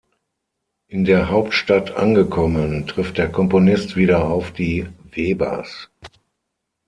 In der Hauptstadt angekommen, trifft der Komponist wieder auf die Webers.